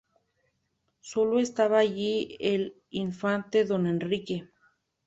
Sólo estaba allí el infante don Enrique.